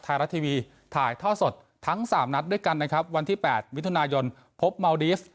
ไทยรัฐทีวีถ่ายท่อสดทั้งสามนัดด้วยกันนะครับวันที่๘มิถุนายนพบเมาดีฟ